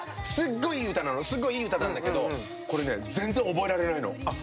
すごい、いい歌なんだけどこれね、全然、覚えられないの。